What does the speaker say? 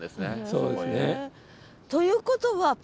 そうですね。ということはそうです。